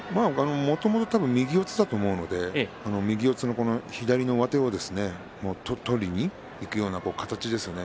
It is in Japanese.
もともと右四つだと思うので右四つ左の上手を取りにいくような形ですよね。